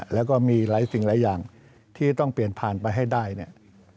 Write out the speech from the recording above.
แล้วก็มีหลายสิ่งหลายอย่างที่ต้องเปลี่ยนผ่านไปให้ได้เนี่ย